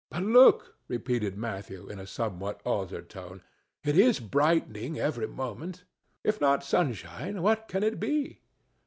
"But look!" repeated Matthew, in a somewhat altered tone. "It is brightening every moment. If not sunshine, what can it be?"